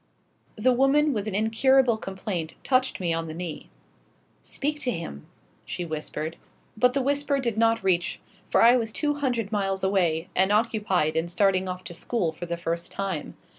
The woman with an incurable complaint touched me on the knee. "Speak to him," she whispered. But the whisper did not reach, for I was two hundred miles away, and occupied in starting off to school for the first time.